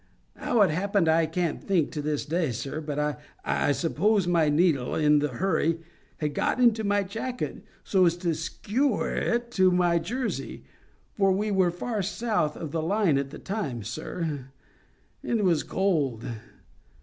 How it happened I can't think to this day, sir, but I suppose my needle, in the hurry, had got into my jacket, so as to skewer it to my jersey, for we were far south of the line at the time, sir, and it was cold.